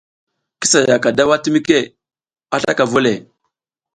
Ki sa yaʼaka daw a timike a slaka vu o le.